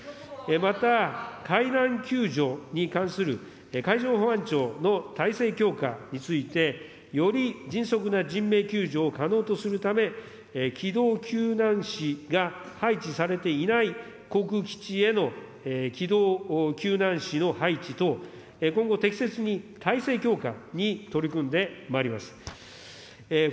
また、海難救助に関する海上保安庁の体制強化について、より迅速な人命救助を可能とするため、きどうきゅうなんしが配置されていない航空基地への機動救難士の配置等、今後適切に体制強化に取り組んでまいります。